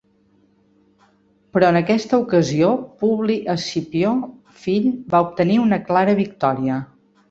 Però en aquesta ocasió Publi Escipió fill va obtenir una clara victòria.